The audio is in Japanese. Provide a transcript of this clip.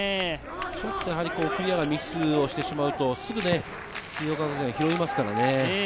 ちょっとクリアがミスをしてしまうと、すぐ静岡学園が拾いますからね。